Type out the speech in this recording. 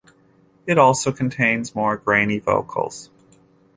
It also contains more grainy vocals.